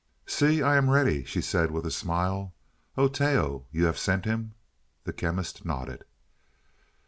"See, I am ready," she said with a smile. "Oteo, you have sent him?" The Chemist nodded.